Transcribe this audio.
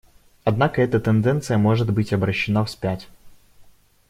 Однако эта тенденция может быть обращена вспять.